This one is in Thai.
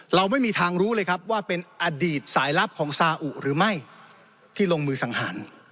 เราไม่มีทางรู้เลยครับว่าเป็นอดีตสายลับของซาอุหรือไม่ที่ลงมือสังหาร